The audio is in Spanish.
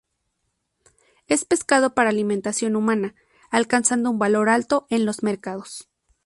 Es pescado para alimentación humana, alcanzando un valor alto en los mercados.